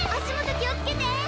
足元気をつけて！